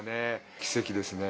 奇跡ですね。